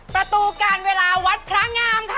ประตูการเวลาวัดพระงามค่ะ